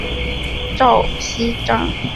赵锡章。